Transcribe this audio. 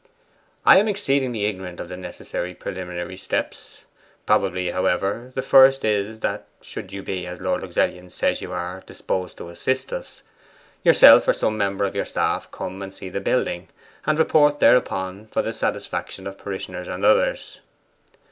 'I am exceedingly ignorant of the necessary preliminary steps. Probably, however, the first is that (should you be, as Lord Luxellian says you are, disposed to assist us) yourself or some member of your staff come and see the building, and report thereupon for the satisfaction of parishioners and others.